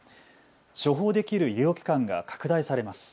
処方できる医療機関が拡大されます。